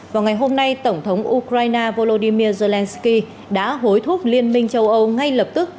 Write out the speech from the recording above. vào ngày hôm nay tổng thống ukraine volodymyr zelensky đã hối thúc liên minh châu âu ngay lập tức